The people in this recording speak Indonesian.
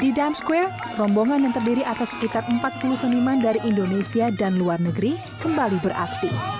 di dam square rombongan yang terdiri atas sekitar empat puluh seniman dari indonesia dan luar negeri kembali beraksi